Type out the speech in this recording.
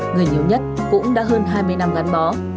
người nhiều nhất cũng đã hơn hai mươi năm gắn bó